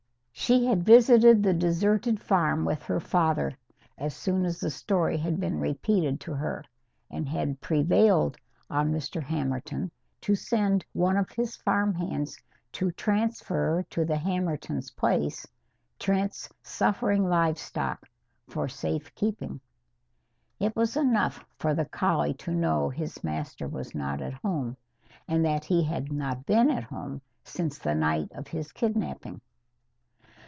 She had visited the deserted farm with her father, as soon as the story had been repeated to her, and had prevailed on Mr. Hammerton to send one of his farm hands to transfer to the Hammertons' place Trent's suffering livestock for safe keeping. It was enough for the collie to know his master was not at home, and that he had not been at home since the night of his kidnapping.